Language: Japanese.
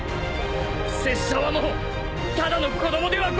拙者はもうただの子供ではござらぬ！